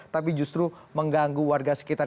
tapi justru mengganggu warga sekitar